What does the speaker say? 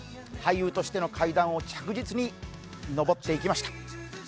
俳優としての階段を着実に上っていきました。